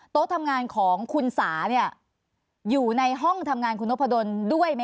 โต๊ะทำงานของคุณสาอยู่ในห้องทำงานคุณพะโดนด้วยไหมคะ